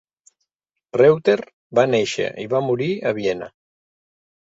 Reutter va néixer i va morir a Viena.